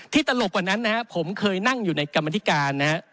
ตลกกว่านั้นนะครับผมเคยนั่งอยู่ในกรรมธิการนะครับ